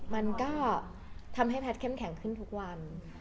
มันก็ทำให้แพทย์เข้มแข็งขึ้นทุกวัน